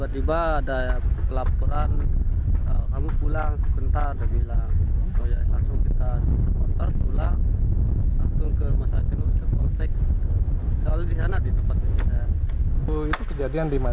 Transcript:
di dalam rumahnya